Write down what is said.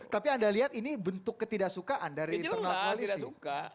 tapi anda lihat ini bentuk ketidaksukaan dari internal koalisi